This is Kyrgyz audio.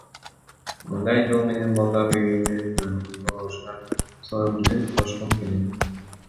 Мындай жол менен балдар үйүнүн жоюлушуна салымымды кошкум келет.